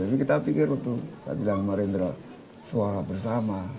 tapi kita pikir waktu itu tadi dalam marendra suara bersama